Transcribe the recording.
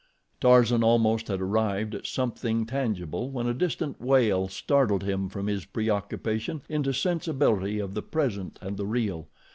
Tarzan almost had arrived at something tangible when a distant wail startled him from his preoccupation into sensibility of the present and the real.